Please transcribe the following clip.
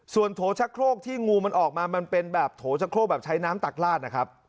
ส่วนโถชะโครกที่งูมันออกมามันเป็นแบบโถชะโครกแบบใช้น้ำตักลาดนะครับ